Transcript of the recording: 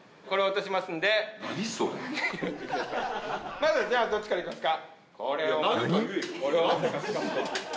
まずじゃあどっちからいきますか？